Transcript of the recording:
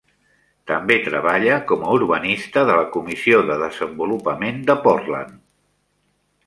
També treballa com a urbanista de la Comissió de Desenvolupament de Portland.